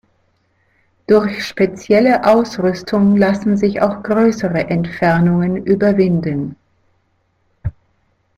Durch spezielle Ausrüstung lassen sich auch größere Entfernungen überwinden.